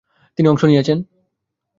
তিনি অংশ নিয়েছেন।